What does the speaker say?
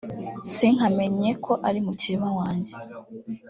sinkamenye ko ari mukeba wanjye